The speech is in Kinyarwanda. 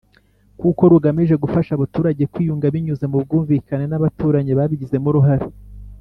kuko rugamije gufasha abaturage kwiyunga binyuze mu bwumvikane n’abaturanyi babigizemo uruhare.